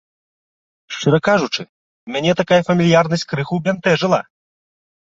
Шчыра кажучы, мяне такая фамільярнасць крыху бянтэжыла.